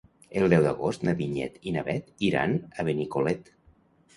El deu d'agost na Vinyet i na Bet iran a Benicolet.